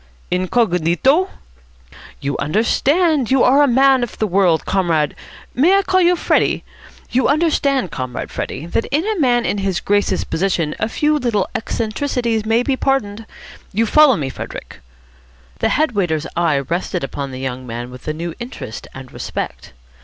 "Ingognito?" "You understand. You are a man of the world, Comrade may I call you Freddie? You understand, Comrade Freddie, that in a man in his Grace's position a few little eccentricities may be pardoned. You follow me, Frederick?" The head waiter's eye rested upon the young man with a new interest and respect.